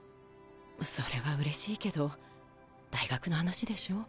それはうれしいけど大学の話でしょ？